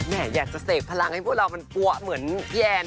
แหมอยากจะสเตกพลังให้พวกเรามันปั่วเหมือนแย่นะ